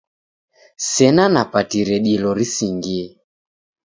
Sena napatire dilo risingie.